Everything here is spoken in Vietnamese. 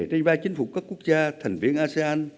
trên vai chính phủ các quốc gia thành viên asean